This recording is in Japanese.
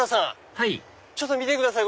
はいちょっと見てください！